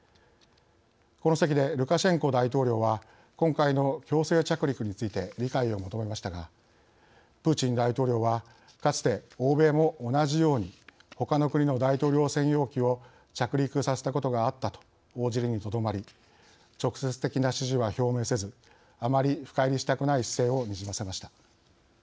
この席でルカシェンコ大統領は今回の強制着陸について理解を求めましたがプーチン大統領はかつて欧米も同じようにほかの国の大統領専用機を着陸させたことがあったと応じるにとどまり直接的な支持は表明せずあまり深入りしたくない姿勢をにじませました。